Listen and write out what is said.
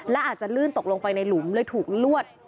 และอาจจะลื่นตกลงไปในหลุมเลยถูกลวด